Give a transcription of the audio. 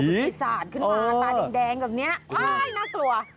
พวกกิศาจขึ้นมาตาแดงแบบนี้อ้าวน่ากลัว